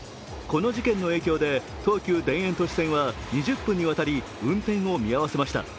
この事件の影響で東急田園都市線は２０分にわたり運転を見合わせました。